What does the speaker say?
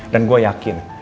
dan gue yakin